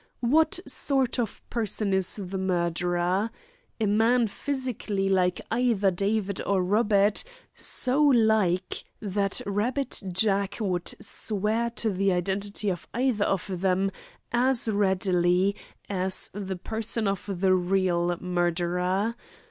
What sort of person is the murderer? A man physically like either David or Robert, so like that 'Rabbit Jack' would swear to the identity of either of them as readily as to the person of the real murderer.